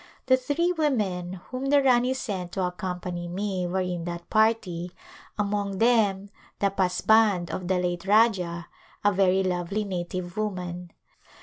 The three women whom the Rani sent to accompany me were in that party, among them the Pasband of the late Rajah, a very lovely native woman.